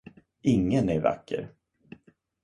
Ingen är vacker.